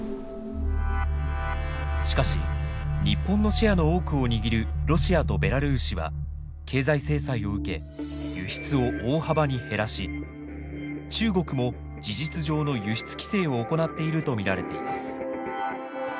しかし日本のシェアの多くを握るロシアとベラルーシは経済制裁を受け輸出を大幅に減らし中国も事実上の輸出規制を行っていると見られています。